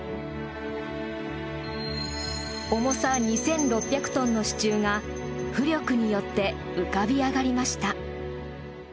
重さ２６００トンの支柱が浮力によって浮かび上がりました。